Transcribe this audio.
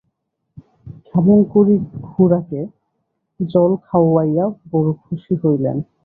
ক্ষেমংকরী খুড়াকে জল খাওয়াইয়া বড়ো খুশি হইলেন।